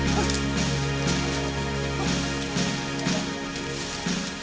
yang ini banyaknya quande di mana mana ya